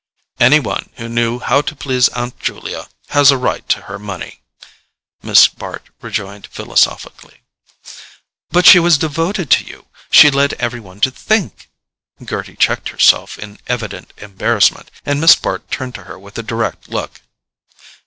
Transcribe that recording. "Any one who knew how to please Aunt Julia has a right to her money," Miss Bart rejoined philosophically. "But she was devoted to you—she led every one to think—" Gerty checked herself in evident embarrassment, and Miss Bart turned to her with a direct look.